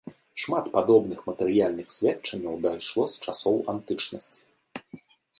Шмат падобных матэрыяльных сведчанняў дайшло з часоў антычнасці.